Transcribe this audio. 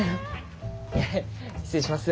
失礼します。